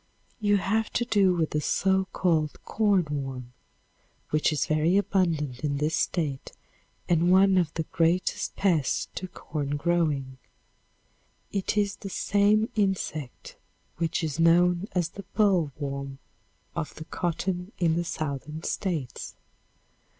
You have to do with the so called corn worm which is very abundant in this State and one of the greatest pests to corn growing. It is the same insect which is known as the boll worm of the cotton in the Southern States.